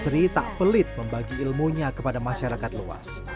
sri tak pelit membagi ilmunya kepada masyarakat luas